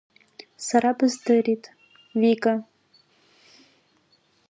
Сара быздырит, Вика!